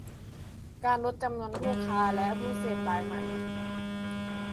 การลดจำนวนผู้ค้าและผู้เสพรายใหม่